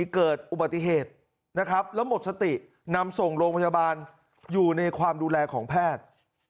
เกิดอุบัติเหตุนะครับแล้วหมดสตินำส่งโรงพยาบาลอยู่ในความดูแลของแพทย์